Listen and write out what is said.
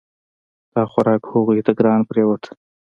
دا خوراک هغوی ته ګران پریوت.